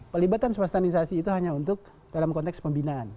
pelibatan swastanisasi itu hanya untuk dalam konteks pembinaan